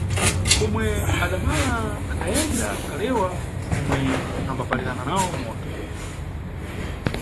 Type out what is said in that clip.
Pomwe adamalaadayenda kalewa omwe ambapalirana nawo moto.